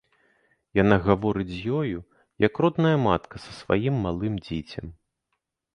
Яна гаворыць з ёю, як родная матка са сваім малым дзіцем.